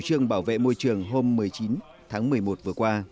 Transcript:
đề môi trường hôm một mươi chín tháng một mươi một vừa qua